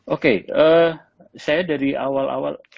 oke saya dari awal awal